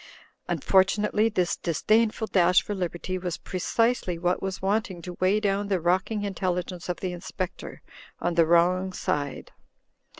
Unfortunately this disdainful dash for liberty was precisely what was wanting to weigh down the rock ing intelligence of the Inspector on the wrong side.